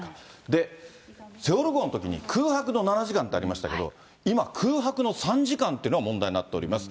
で、セウォル号のときに空白の７時間ってありましたけど、今、空白の３時間っていうのが問題になっています。